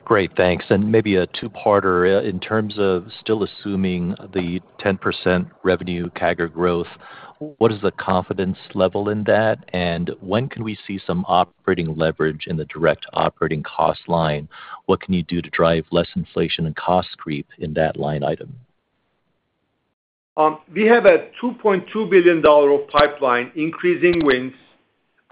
Great, thanks. And maybe a two-parter. In terms of still assuming the 10% revenue CAGR growth, what is the confidence level in that? And when can we see some operating leverage in the direct operating cost line? What can you do to drive less inflation and cost creep in that line item? We have a $2.2 billion pipeline, increasing wins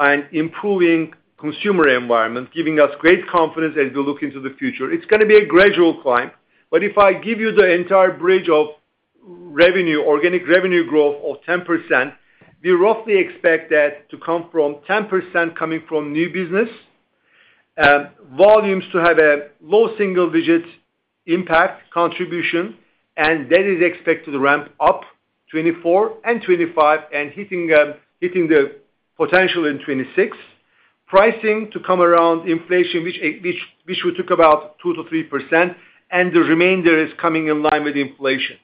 and improving consumer environment, giving us great confidence as we look into the future. It's gonna be a gradual climb, but if I give you the entire bridge of revenue, organic revenue growth of 10%, we roughly expect that to come from 10% coming from new business. Volumes to have a low single-digit impact contribution, and that is expected to ramp up 2024 and 2025 and hitting the potential in 2026. Pricing to come around inflation, which we took about 2%-3%, and the remainder is coming in line with inflation.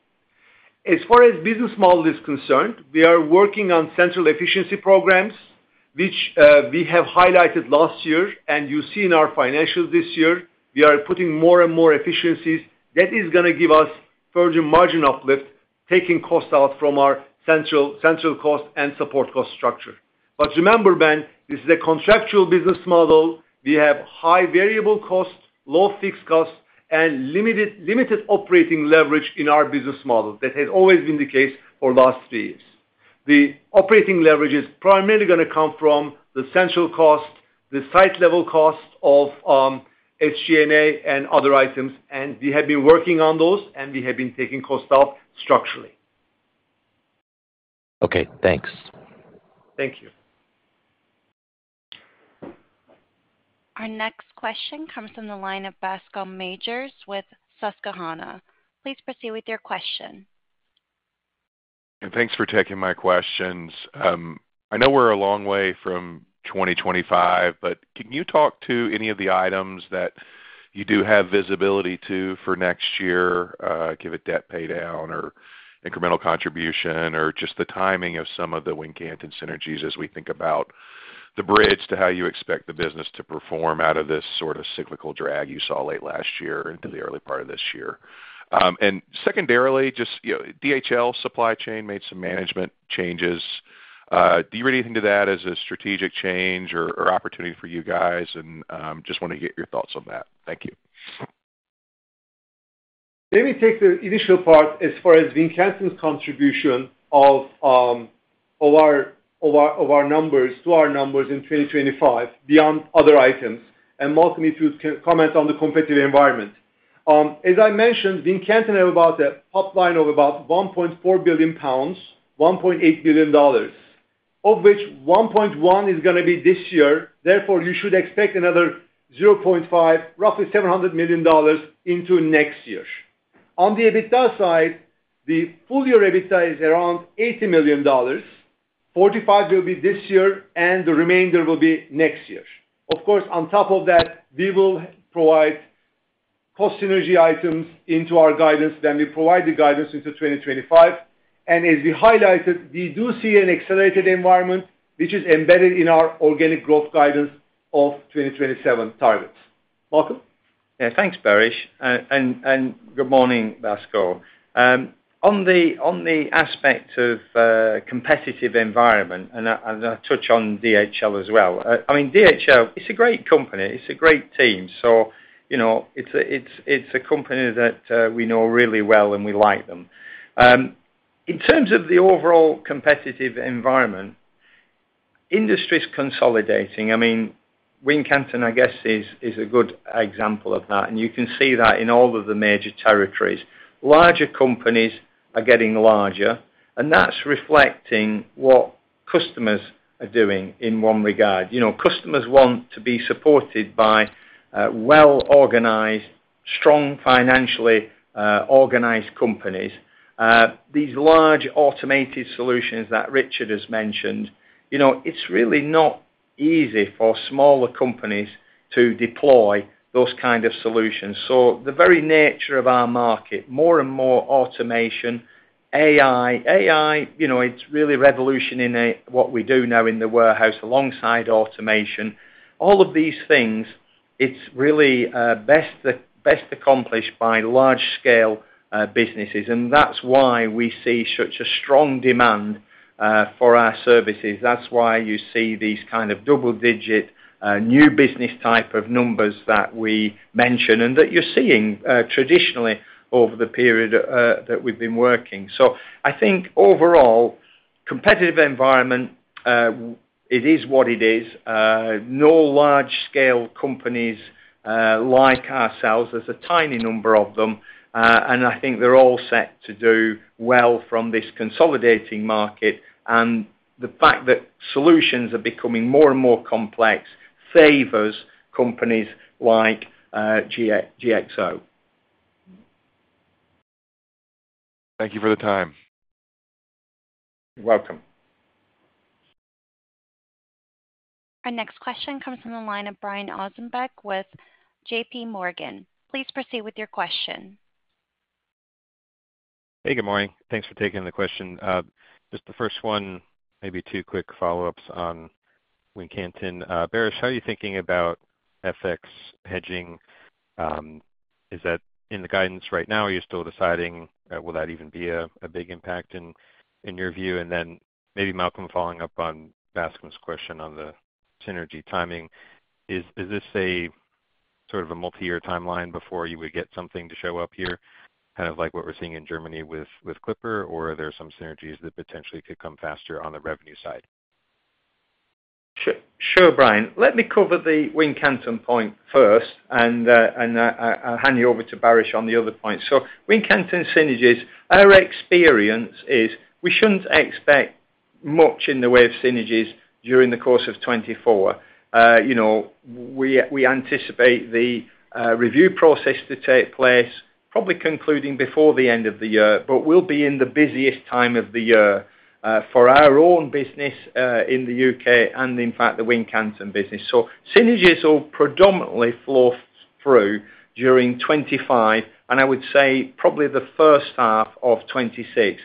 As far as business model is concerned, we are working on central efficiency programs, which we have highlighted last year, and you see in our financials this year. We are putting more and more efficiencies. That is gonna give us further margin uplift, taking costs out from our central cost and support cost structure. But remember, Ben, this is a contractual business model. We have high variable costs, low fixed costs, and limited operating leverage in our business model. That has always been the case for last three years. The operating leverage is primarily gonna come from the central cost, the site level cost of SG&A and other items, and we have been working on those, and we have been taking cost out structurally. Okay, thanks. Thank you. Our next question comes from the line of Bascome Majors with Susquehanna. Please proceed with your question. Thanks for taking my questions. I know we're a long way from 2025, but can you talk to any of the items that you do have visibility to for next year? Give it debt paydown or incremental contribution or just the timing of some of the Wincanton synergies as we think about the bridge to how you expect the business to perform out of this sort of cyclical drag you saw late last year into the early part of this year. And secondarily, just, you know, DHL Supply Chain made some management changes. Do you read anything to that as a strategic change or, or opportunity for you guys? Just wanna get your thoughts on that. Thank you. Let me take the initial part as far as Wincanton's contribution of our numbers to our numbers in 2025 beyond other items, and let me comment on the competitive environment. As I mentioned, Wincanton has about a pipeline of about 1.4 billion pounds, $1.8 billion, of which 1.1 billion is going to be this year; therefore, you should expect another 0.5 billion, roughly $700 million into next year. On the EBITDA side, the full year EBITDA is around $80 million. $45 million will be this year, and the remainder will be next year. Of course, on top of that, we will provide cost synergy items into our guidance when we provide the guidance into 2025. And as we highlighted, we do see an accelerated environment, which is embedded in our organic growth guidance of 2027 targets. Malcolm? Yeah, thanks, Baris, and good morning, Bascome. On the aspect of competitive environment, and I touch on DHL as well. I mean, DHL, it's a great company. It's a great team. So you know, it's a company that we know really well, and we like them. In terms of the overall competitive environment, industry is consolidating. I mean, Wincanton, I guess, is a good example of that, and you can see that in all of the major territories. Larger companies are getting larger, and that's reflecting what customers are doing in one regard. You know, customers want to be supported by well-organized, strong financially, organized companies. These large automated solutions that Richard has mentioned, you know, it's really not easy for smaller companies to deploy those kind of solutions. So the very nature of our market, more and more automation, AI. AI, you know, it's really revolution in what we do now in the warehouse, alongside automation. All of these things, it's really best accomplished by large scale businesses, and that's why we see such a strong demand for our services. That's why you see these kind of double-digit new business type of numbers that we mentioned and that you're seeing traditionally over the period that we've been working. So I think overall, competitive environment, it is what it is. No large scale companies like ourselves, there's a tiny number of them, and I think they're all set to do well from this consolidating market. And the fact that solutions are becoming more and more complex favors companies like GXO. Thank you for the time. You're welcome. Our next question comes from the line of Brian Ossenbeck with J.P. Morgan. Please proceed with your question. Hey, good morning. Thanks for taking the question. Just the first one, maybe two quick follow-ups on Wincanton. Baris, how are you thinking about FX hedging? Is that in the guidance right now, or are you still deciding, will that even be a big impact in your view? And then maybe, Malcolm, following up on Bascome's question on the synergy timing. Is this a sort of a multi-year timeline before you would get something to show up here, kind of like what we're seeing in Germany with Clipper? Or are there some synergies that potentially could come faster on the revenue side? Sure, Brian. Let me cover the Wincanton point first, and, and, I'll hand you over to Baris on the other point. So Wincanton synergies, our experience is we shouldn't expect much in the way of synergies during the course of 2024. You know, we, we anticipate the review process to take place, probably concluding before the end of the year, but we'll be in the busiest time of the year, for our own business, in the UK and in fact, the Wincanton business. So synergies will predominantly flow through during 2025, and I would say probably the first half of 2026.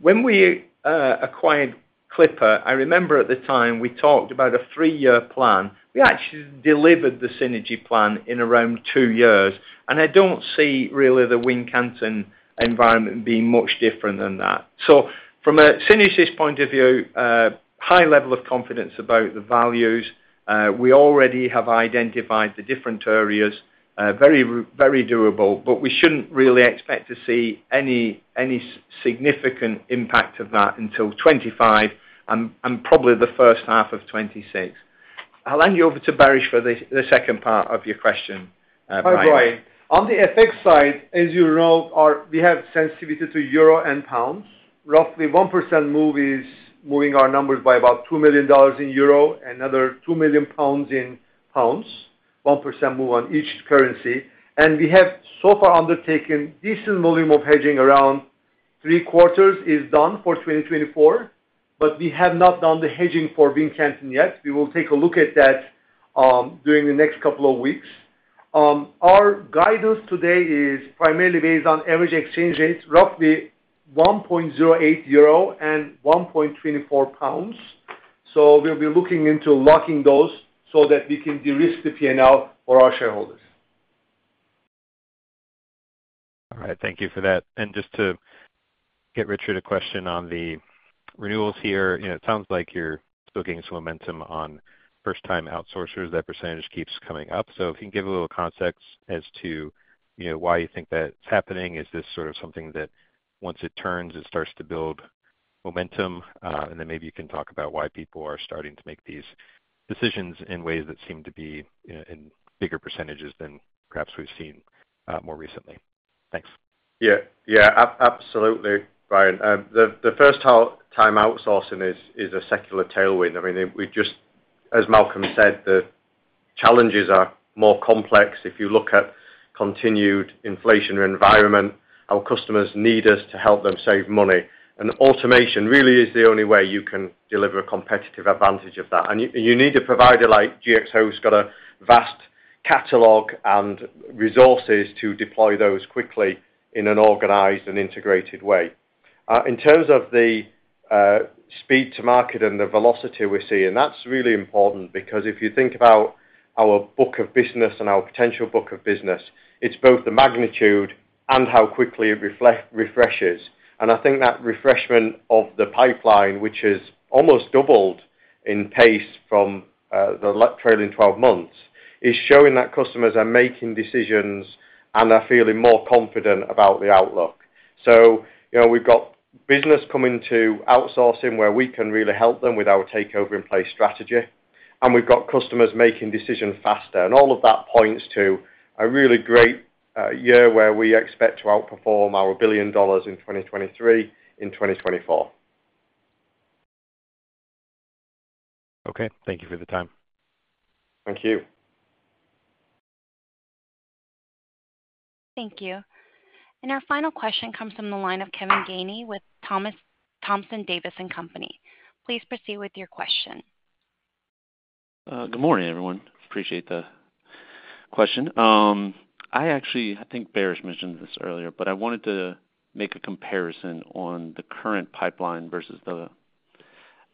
When we acquired Clipper, I remember at the time we talked about a 3-year plan. We actually delivered the synergy plan in around 2 years, and I don't see really the Wincanton environment being much different than that. So from a synergies point of view, high level of confidence about the values, we already have identified the different areas, very doable, but we shouldn't really expect to see any significant impact of that until 2025 and probably the first half of 2026. I'll hand you over to Baris for the second part of your question, Brian. Hi, Brian. On the FX side, as you know, we have sensitivity to euro and pounds. Roughly 1% move is moving our numbers by about $2 million in euro, another $2 million in pounds, 1% move on each currency. We have so far undertaken decent volume of hedging. Around three quarters is done for 2024, but we have not done the hedging for Wincanton yet. We will take a look at that during the next couple of weeks. Our guidance today is primarily based on average exchange rates, roughly 1.08 euro and 1.24 pounds. So we'll be looking into locking those so that we can de-risk the P&L for our shareholders. All right, thank you for that. And just to get Richard a question on the renewals here. You know, it sounds like you're still getting some momentum on first-time outsourcers. That percentage keeps coming up. So if you can give a little context as to, you know, why you think that's happening. Is this sort of something that once it turns, it starts to build momentum? And then maybe you can talk about why people are starting to make these decisions in ways that seem to be in, in bigger percentages than perhaps we've seen more recently. Thanks. Yeah, yeah, absolutely, Brian. The first time outsourcing is a secular tailwind. I mean, we just, as Malcolm said, the challenges are more complex. If you look at continued inflation environment, our customers need us to help them save money, and automation really is the only way you can deliver a competitive advantage of that. And you need a provider like GXO, who's got a vast catalog and resources to deploy those quickly in an organized and integrated way. In terms of the speed to market and the velocity we're seeing, that's really important because if you think about our book of business and our potential book of business, it's both the magnitude and how quickly it refreshes. I think that refreshment of the pipeline, which is almost doubled in pace from the trailing twelve months, is showing that customers are making decisions, and they're feeling more confident about the outlook. So, you know, we've got business coming to outsourcing, where we can really help them with our takeover in place strategy, and we've got customers making decisions faster. And all of that points to a really great year, where we expect to outperform our $1 billion in 2023 in 2024. Okay, thank you for the time. Thank you. Thank you. And our final question comes from the line of Kevin Gainey with Thompson Davis and Company. Please proceed with your question. Good morning, everyone. Appreciate the question. I actually, I think Baris mentioned this earlier, but I wanted to make a comparison on the current pipeline versus the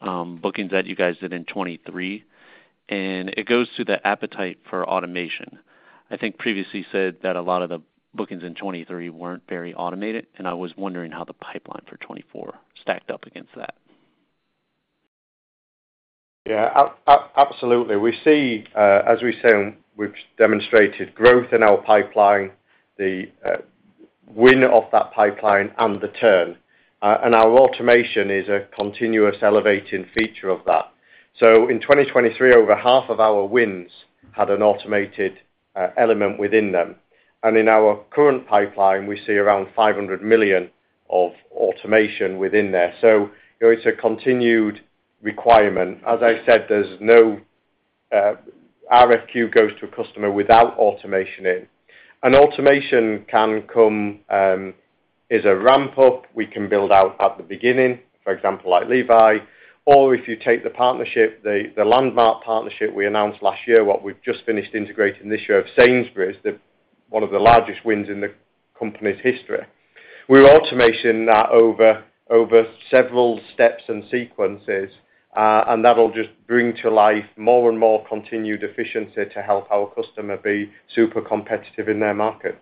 bookings that you guys did in 2023, and it goes to the appetite for automation. I think previously said that a lot of the bookings in 2023 weren't very automated, and I was wondering how the pipeline for 2024 stacked up against that. Absolutely. We see, as we say, we've demonstrated growth in our pipeline, the win of that pipeline and the turn, and our automation is a continuous elevating feature of that. So in 2023, over half of our wins had an automated element within them. And in our current pipeline, we see around $500 million of automation within there. So it's a continued requirement. As I said, there's no RFQ goes to a customer without automation in. And automation can come as a ramp up, we can build out at the beginning, for example, like Levi, or if you take the partnership, the landmark partnership we announced last year, what we've just finished integrating this year of Sainsbury's, the one of the largest wins in the company's history. We're automating that over several steps and sequences, and that'll just bring to life more and more continued efficiency to help our customer be super competitive in their market.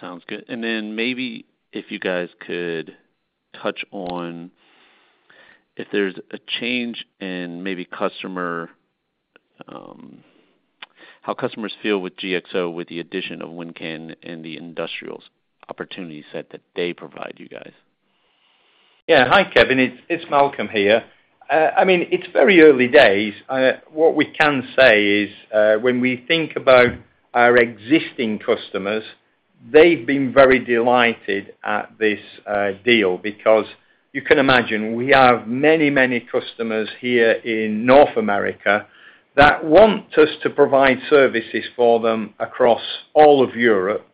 Sounds good. And then maybe if you guys could touch on if there's a change in maybe customer, how customers feel with GXO, with the addition of Wincanton and the industrials opportunity set that they provide you guys? Yeah. Hi, Kevin, it's Malcolm here. I mean, it's very early days. What we can say is, when we think about our existing customers, they've been very delighted at this deal, because you can imagine we have many, many customers here in North America that want us to provide services for them across all of Europe.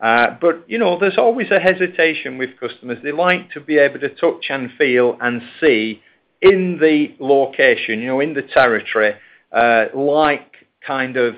But, you know, there's always a hesitation with customers. They like to be able to touch and feel and see in the location, you know, in the territory, like kind of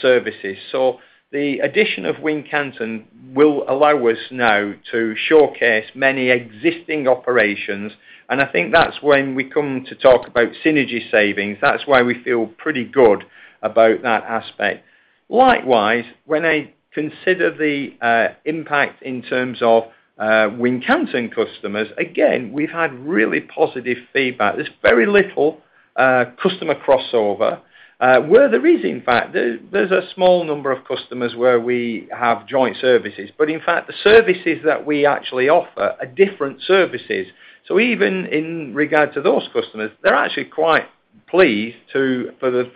services. So the addition of Wincanton will allow us now to showcase many existing operations, and I think that's when we come to talk about synergy savings, that's why we feel pretty good about that aspect. Likewise, when I consider the impact in terms of Wincanton customers, again, we've had really positive feedback. There's very little customer crossover. Where there is, in fact, there, there's a small number of customers where we have joint services, but in fact, the services that we actually offer are different services. So even in regard to those customers, they're actually quite pleased to. For the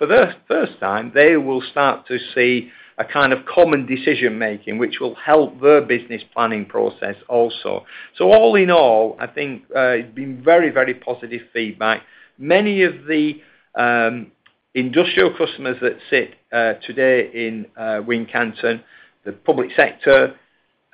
first time, they will start to see a kind of common decision-making, which will help their business planning process also. So all in all, I think, it's been very, very positive feedback. Many of the industrial customers that sit today in Wincanton, the public sector,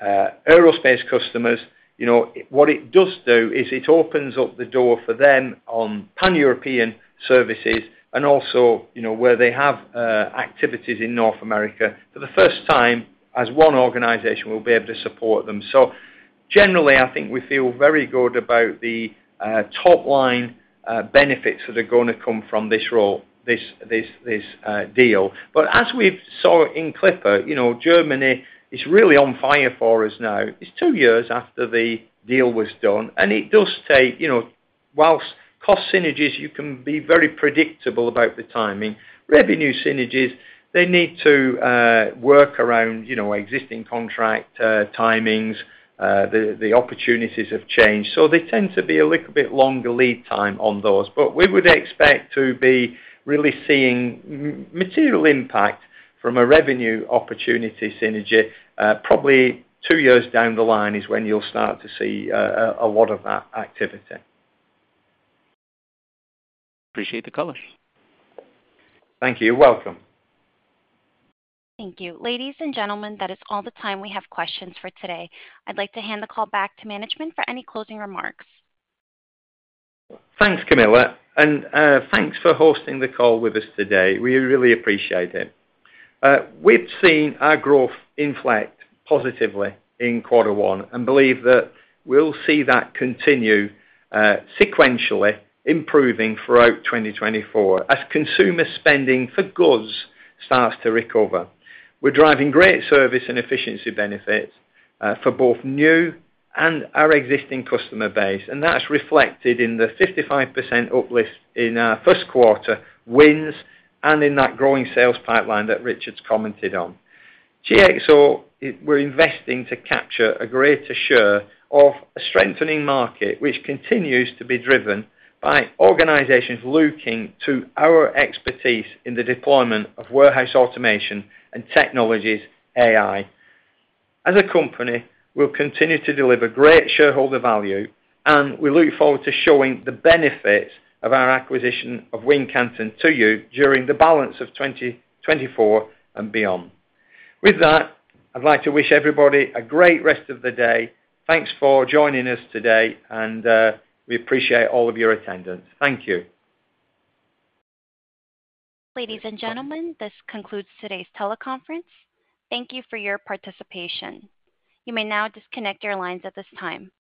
aerospace customers, you know, what it does do is it opens up the door for them on Pan-European services and also, you know, where they have activities in North America. For the first time, as one organization, we'll be able to support them. So generally, I think we feel very good about the top line benefits that are gonna come from this deal. But as we've saw in Clipper, you know, Germany is really on fire for us now. It's two years after the deal was done, and it does take, you know, while cost synergies, you can be very predictable about the timing. Revenue synergies, they need to work around, you know, existing contract timings, the opportunities have changed, so they tend to be a little bit longer lead time on those. But we would expect to be really seeing material impact from a revenue opportunity synergy, probably two years down the line is when you'll start to see a lot of that activity. Appreciate the color. Thank you. You're welcome. Thank you. Ladies and gentlemen, that is all the time we have questions for today. I'd like to hand the call back to management for any closing remarks. Thanks, Camilla, and thanks for hosting the call with us today. We really appreciate it. We've seen our growth inflect positively in quarter one and believe that we'll see that continue, sequentially improving throughout 2024 as consumer spending for goods starts to recover. We're driving great service and efficiency benefits, for both new and our existing customer base, and that's reflected in the 55% uplift in our first quarter wins and in that growing sales pipeline that Richard's commented on. GXO, we're investing to capture a greater share of a strengthening market, which continues to be driven by organizations looking to our expertise in the deployment of warehouse automation and technologies AI. As a company, we'll continue to deliver great shareholder value, and we look forward to showing the benefits of our acquisition of Wincanton to you during the balance of 2024 and beyond. With that, I'd like to wish everybody a great rest of the day. Thanks for joining us today, and we appreciate all of your attendance. Thank you. Ladies and gentlemen, this concludes today's teleconference. Thank you for your participation. You may now disconnect your lines at this time.